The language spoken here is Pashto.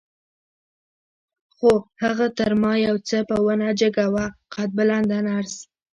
خو هغه تر ما یو څه په ونه جګه وه، قد بلنده نرس.